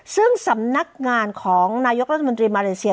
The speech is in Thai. ซึ่งสำนักงานของนายกรัฐมนตรีมาเลเซีย